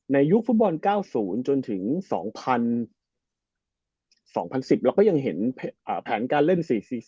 ยุคฟุตบอล๙๐จนถึง๒๐๒๐๑๐เราก็ยังเห็นแผนการเล่น๔๔๐